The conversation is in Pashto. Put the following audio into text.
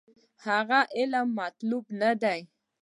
هغه علم مطلوب نه دی.